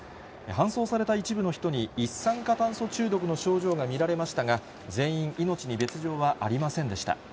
搬送された一部の人に、一酸化炭素中毒の症状が見られましたが、全員、命に別状はありませんでした。